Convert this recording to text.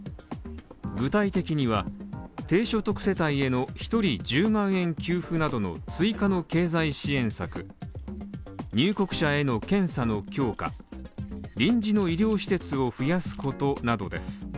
具体的には、低所得世帯への１人１０万円給付などの追加の経済支援策、入国者への検査の強化、臨時の医療施設を増やすことなどです。